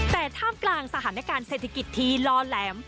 แต่ท่ามกลางสถานการณ์เศรษฐกิจที่ล่อแหลม